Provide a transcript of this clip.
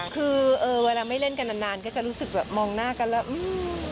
คือเวลาไม่เล่นกันนานนานก็จะรู้สึกแบบมองหน้ากันแล้วอืม